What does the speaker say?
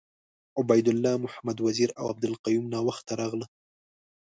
عبید الله محمد وزیر اوعبدالقیوم ناوخته راغله .